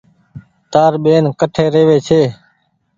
تآر ٻين ڪٺي رهي وي ڇي۔